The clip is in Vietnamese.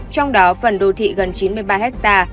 trong đó phần đô thị gần chín mươi ba ha